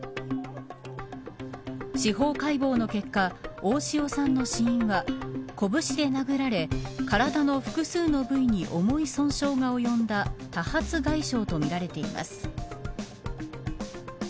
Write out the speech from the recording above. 司法解剖の結果大塩さんの死因は拳で殴られ、体の複数の部位に重い損傷が及んだ多発外傷とみられています。